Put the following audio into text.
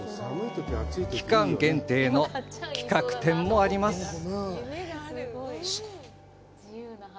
期間限定の企画展もあります。